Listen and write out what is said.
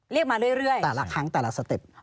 มาเรื่อยแต่ละครั้งแต่ละสเต็ป